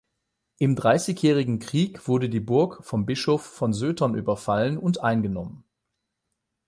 Im Dreißigjährigen Krieg wurde die Burg vom Bischof von Sötern überfallen und eingenommen.